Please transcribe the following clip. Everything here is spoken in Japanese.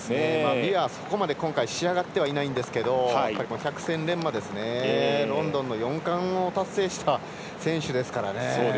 ウィアー、そこまで今回仕上がってはいないんですけど百戦錬磨ですねロンドンの４冠を達成した選手ですからね。